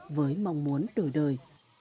người mong muốn đổi đời